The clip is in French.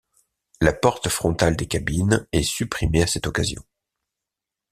La porte frontale des cabines est supprimée à cette occasion.